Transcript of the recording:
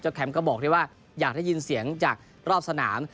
แคมป์ก็บอกได้ว่าอยากได้ยินเสียงจากรอบสนาม